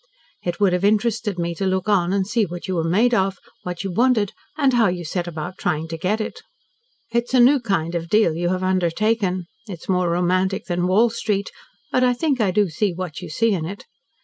It would have interested me to look on and see what you were made of, what you wanted, and how you set about trying to get it. It's a new kind of deal you have undertaken. It's more romantic than Wall Street, but I think I do see what you see in it.